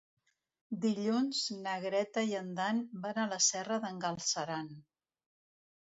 Dilluns na Greta i en Dan van a la Serra d'en Galceran.